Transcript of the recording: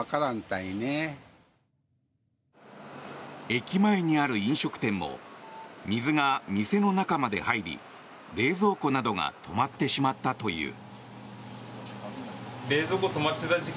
駅前にある飲食店も水が店の中まで入り冷蔵庫などが止まってしまったという。